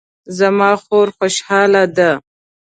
زما خور خوشحاله ده